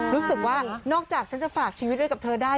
รู้สึกว่านอกจากฉันจะฝากชีวิตไว้กับเธอได้